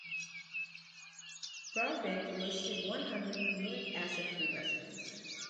Broadbent listed one hundred Uric Acid free recipes.